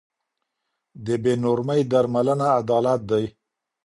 د بې نورمۍ درملنه عدالت دی.